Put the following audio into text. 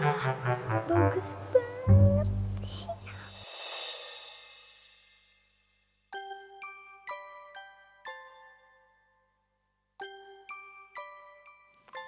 wah bagus banget